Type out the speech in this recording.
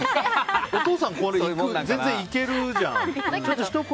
お父さん、全然行けるじゃん。